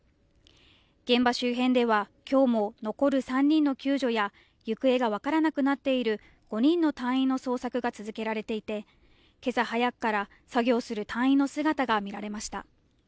現場周辺では、今日も残る３人の救助や行方がわからなくなっている５人の隊員の捜索が続けられていて、けさ早くから作業する隊員の姿が見られました。